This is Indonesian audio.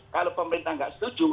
kalau pemerintah tidak setuju